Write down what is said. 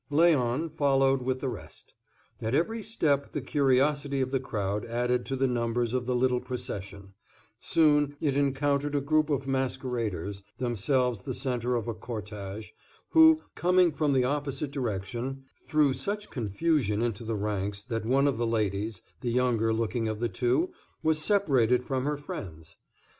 Léon followed with the rest. At every step the curiosity of the crowd added to the numbers of the little procession; soon, it encountered a group of masqueraders, themselves the center of a cortège, who, coming from the opposite direction, threw such confusion into the ranks that one of the ladies, the younger looking of the two, was separated from her friends.